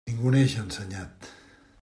Ningú naix ensenyat.